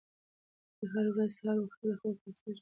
زه هره ورځ سهار وختي له خوبه پاڅېږم.